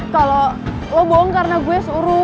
kalau lo bohong karena gue suruh